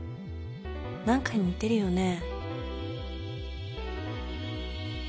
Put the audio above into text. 何かに似てるよね？